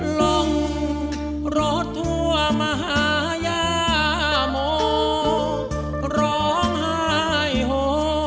หล่องรถทั่วมหายาโมร้องหายโฮ